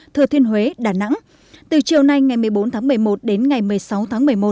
thừa thiên huế đà nẵng từ chiều nay ngày một mươi bốn tháng một mươi một đến ngày một mươi sáu tháng một mươi một